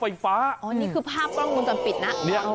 นี่คือภาพกล้องดนตร์ปิดนะ